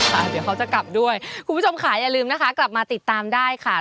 คุณผู้ชมขายอย่าลืมนะคะกลับมาติดตามได้ค่ะ